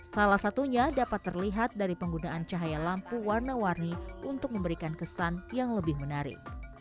salah satunya dapat terlihat dari penggunaan cahaya lampu warna warni untuk memberikan kesan yang lebih menarik